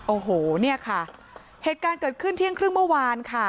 โอ้โหเนี่ยค่ะเหตุการณ์เกิดขึ้นเที่ยงครึ่งเมื่อวานค่ะ